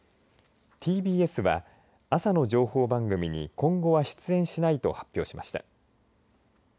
ＴＢＳは朝の情報番組に今後は出演しないと発表しました。